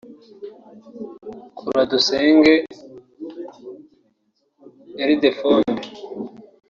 Kuradusenge Ildephonde